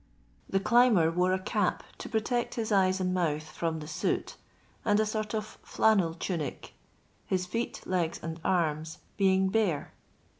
The climber wore a cap to protect his eyes and mouth from the soot, and a sort of flannel tunic, his feet, legs, and arms being bare.